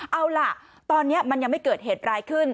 เอาล่ะตอนนี้มันยังไม่เกิดเหตุร้ายขึ้น